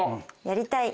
「やりたい！！」